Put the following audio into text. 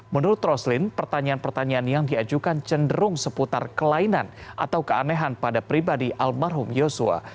menurut roslin pertanyaan pertanyaan yang diajukan cenderung seputar kelainan atau keanehan pada pribadi almarhum yosua